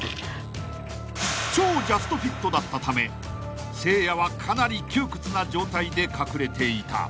［超ジャストフィットだったためせいやはかなり窮屈な状態で隠れていた］